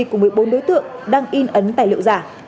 của một mươi bốn đối tượng đang in ấn tài liệu giả